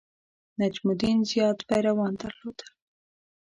نجم الدین زیات پیروان درلودل.